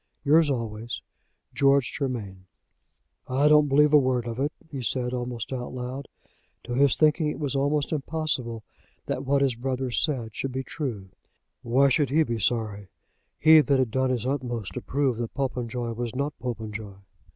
"Yours always, "GEORGE GERMAIN." "I don't believe a word of it," he said almost out loud. To his thinking it was almost impossible that what his brother said should be true. Why should he be sorry, he that had done his utmost to prove that Popenjoy was not Popenjoy?